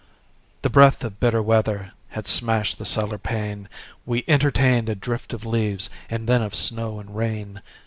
The breath of bitter weather Had smashed the cellar pane: We entertained a drift of leaves And then of snow and rain.